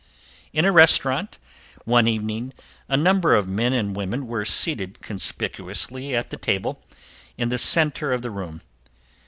In a restaurant, one evening, a number of men and women were seated conspicuously at a table in the center of the room.